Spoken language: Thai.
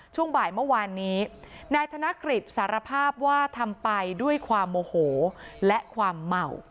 ช่วงบ่ายเมื่อวานนี้นายธนกฤษสารภาพว่าทำไปด้วยความโมโหและความเหมา